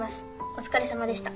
お疲れさまでした。